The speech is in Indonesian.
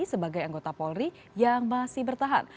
sebagai anggota polri yang masih bertahan